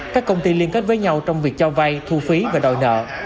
các công ty liên kết với nhau trong việc cho vay thu phí và đòi nợ